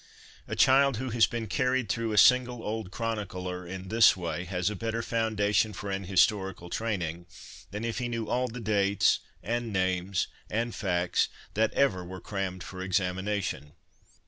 A child who has been carried through a single old chronicler in this way has a better foundation for an historical training than if he knew all the dates and names and facts that ever were crammed for examination.